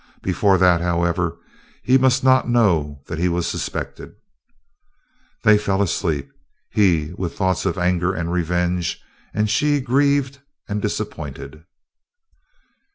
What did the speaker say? Before that, however, he must not know that he was suspected. They fell asleep, he with thoughts of anger and revenge, and she grieved and disappointed.